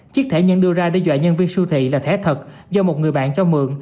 chiếc thẻ nhận đưa ra đe dọa nhân viên siêu thị là thẻ thật do một người bạn cho mượn